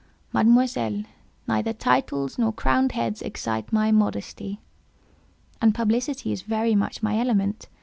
"Mademoiselle, neither titles nor crowned heads excite my modesty; and publicity is very much my element.